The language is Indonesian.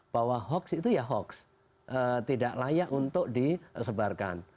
bahwa hoax itu ya hoax tidak layak untuk disebarkan